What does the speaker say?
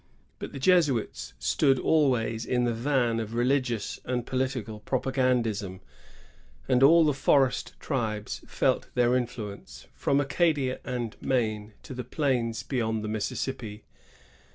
But the Jesuits stood always in the van of religious and political propa gandism ; and all the forest tribes felt their influence, from Acadia and Maine to the plains beyond the Mississippi.